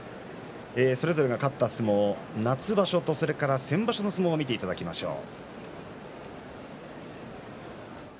それぞれが勝った相撲夏場所と先場所の相撲を見ていただきましょう。